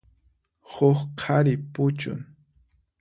Huk qhari puchun.